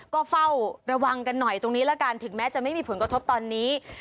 ก็เฝ้าระวังกันหน่อยตรงนี้ละกันถึงแม้จะไม่มีผลกระทบตอนนี้